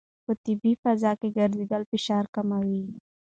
په طبیعي فضا کې ګرځېدل فشار کموي.